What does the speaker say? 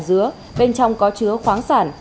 dứa bên trong có chứa khoáng sản